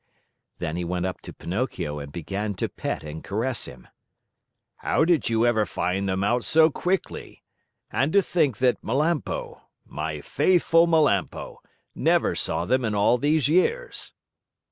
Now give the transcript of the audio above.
Then he went up to Pinocchio and began to pet and caress him. "How did you ever find them out so quickly? And to think that Melampo, my faithful Melampo, never saw them in all these years!"